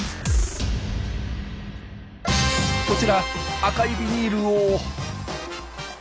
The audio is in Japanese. こちら赤いビニールを。